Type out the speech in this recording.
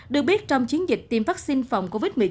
được biết trong chiến dịch tiêm vaccine phòng covid một mươi chín